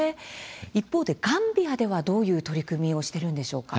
一方でガンビアでは、どういう取り組みをしているんでしょうか。